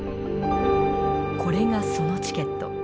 これがそのチケット。